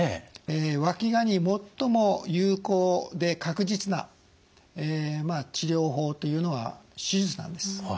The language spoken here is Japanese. わきがに最も有効で確実な治療法というのは手術なんです。